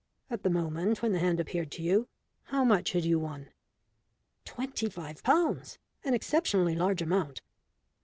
At the moment when the hand appeared to you, how much had you won?" "Twenty five pounds an exceptionally large amount."